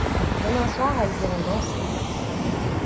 Demain soir elles iront danser.